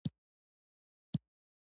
د شاه عالم سره مرسته وکړم.